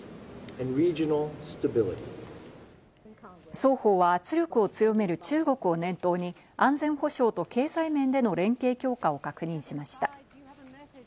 双方は圧力を強める中国を念頭に安全保障と経済面での連携強化を確認しました。